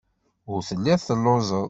Ur telliḍ telluẓeḍ.